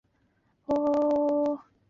她还出版了另外三部小说。